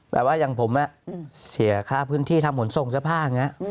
แบบว่าอย่างผมเสียค่าพื้นที่ทำขนส่งเสื้อผ้าอย่างนี้